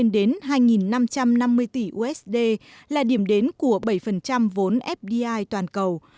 đến hai năm trăm năm mươi tỷ usd là điểm đến của bảy vốn fdi toàn cầu